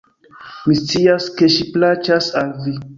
Mi scias, ke ŝi plaĉas al Vi.